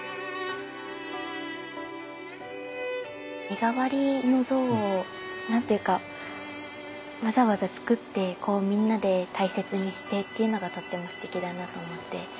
身代わりの像を何て言うかわざわざつくってみんなで大切にしてっていうのがとってもすてきだなと思って。